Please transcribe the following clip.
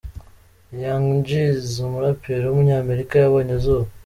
Young Jeezy, umuraperi w’umunyamerika yabonye izuba.